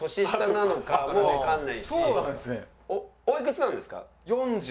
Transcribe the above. おいくつなんですか？